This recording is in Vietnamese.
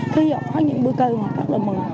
khi họ có những bữa cơm họ rất là mừng